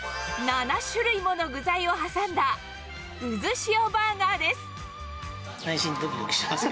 ７種類もの具材を挟んだ、うずしおバーガーです。